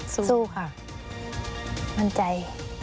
สู้ค่ะมั่นใจ